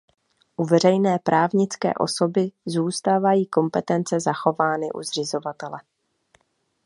U veřejné právnické osoby zůstávají kompetence zachovány u zřizovatele.